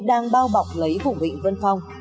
đang bao bọc lấy vùng vịnh vân phong